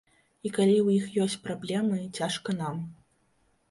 І калі ў іх ёсць праблемы, цяжка нам.